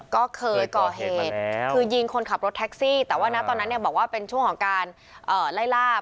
ก็เคยก่อเหตุคือยิงคนขับรถแท็กซี่แต่ว่านะตอนนั้นเนี่ยบอกว่าเป็นช่วงของการไล่ลาบ